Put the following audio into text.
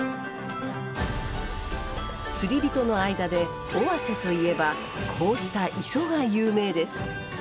釣りびとの間で尾鷲といえばこうした磯が有名です。